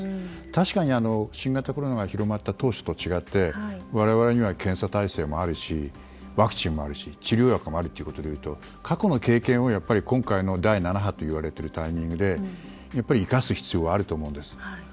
確かに新型コロナが広まった当初と違って我々には検査体制もあるしワクチンもあるし治療薬もあるということでいうと過去の経験を今回の第７波といわれているタイミングでやっぱり生かす必要はあると思うんです。